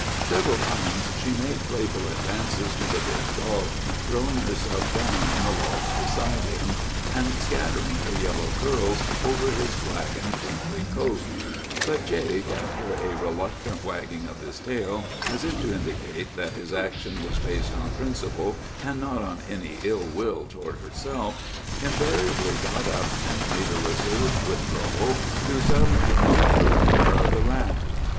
"Several times she made playful advances to the big dog, throwing herself down on the logs beside him, and scattering her yellow curls over his black and crinkly coat; but Jake, after a reluctant wagging of his tail, as if to indicate that his action was based on principle, and not on any ill will toward herself, invariably got up and made a reserved withdrawal to some remoter corner of the raft.